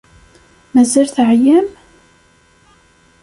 Mazal teɛyam?